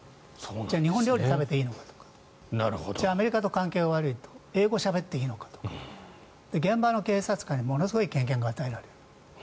じゃあ日本料理を食べていいのかアメリカと関係が悪いと英語をしゃべっていいのかとか現場の警察官にものすごい権限が与えられる。